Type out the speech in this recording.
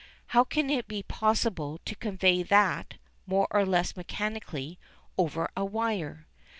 How can it be possible to convey that, more or less mechanically, over a wire?